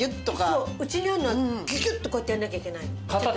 そう家にあるのはギュギュッとこうやってやんなきゃいけないの。